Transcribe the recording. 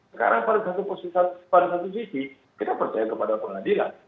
sekarang pada satu sisi kita percaya kepada pengadilan